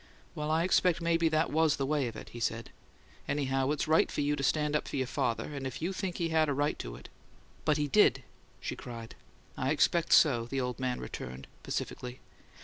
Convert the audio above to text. "Well, I expect maybe that was the way of it," he said. "Anyhow, it's right for you to stand up for your father; and if you think he had a right to it " "But he did!" she cried. "I expect so," the old man returned, pacifically.